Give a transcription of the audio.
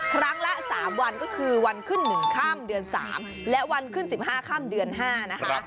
ครั้งละ๓วันก็คือวันขึ้น๑ข้ามเดือน๓และวันขึ้น๑๕ค่ำเดือน๕นะคะ